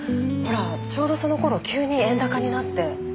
ほらちょうどその頃急に円高になって。